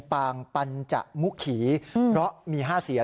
ปางปัญจมุขีเพราะมี๕เสีย